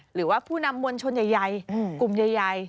หรือว่าผู้นำมวลชนใหญ่กลุ่มใหญ่